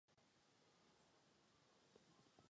Jako skladatel byl neobyčejně plodný.